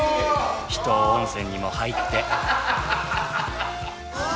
秘湯温泉にも入って。